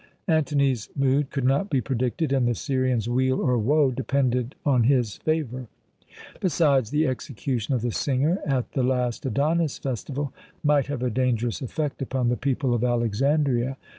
Antony's mood could not be predicted, and the Syrian's weal or woe depended on his favour. Besides, the execution of the singer at the last Adonis festival might have a dangerous effect upon the people of Alexandria.